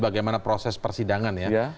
bagaimana proses persidangan ya